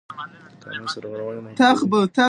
قانون سرغړونې محدودوي.